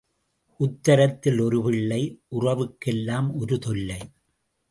உத்தரத்தில் ஒரு பிள்ளை உறவுக்கெல்லாம் ஒரு தொல்லை.